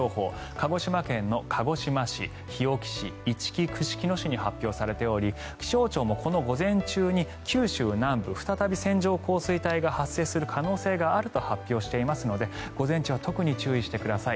鹿児島県の鹿児島市、日置市いちき串木野市に発表されており気象庁もこの午前中に九州南部再び線状降水帯が発生する可能性があると発表していますので午前中は特に注意してください。